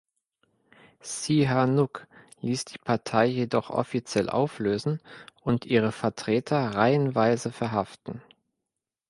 Sihanouk ließ die Partei jedoch offiziell auflösen und ihre Vertreter reihenweise verhaften.